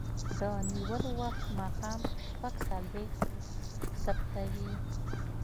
د نیولو وخت ماښام شپږ څلویښت ثبتوي.